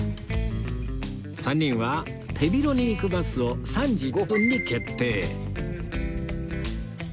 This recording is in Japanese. ３人は手広に行くバスを３時５分に決定